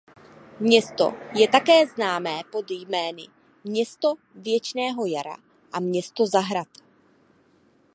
Město je také známé pod jmény "„Město věčného jara“" a "„Město zahrad“".